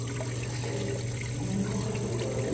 確かに意外に後輩って見てますよね。